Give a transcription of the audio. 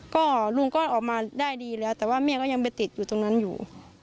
ก็ลุงก็ออกมาได้ดีแล้วแต่ว่าแม่ก็ยังไปติดอยู่ตรงนั้นอยู่